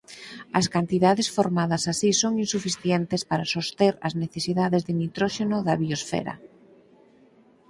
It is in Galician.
As cantidades formadas así son insuficientes para soster as necesidades de nitróxeno da biosfera.